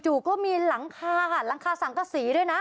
จู่ก็มีหลังคาสังกษีด้วยนะ